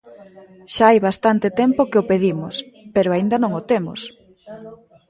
Xa hai bastante tempo que o pedimos, pero aínda non o temos.